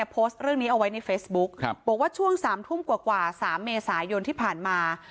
โพสต์เรื่องนี้เอาไว้ในเฟซบุ๊กบอกว่าช่วง๓ทุ่มกว่า๓เมษายนที่ผ่านมา